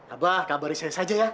abah kabarin saya saja ya